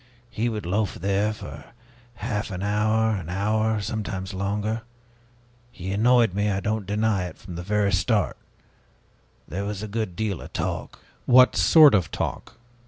He would loaf there for half an hour, an hour, sometimes longer. He annoyed me, I don't deny it, from the very start. There was a good deal of talk." "What sort of talk?"